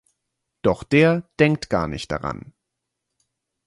Doch der denkt gar nicht daran.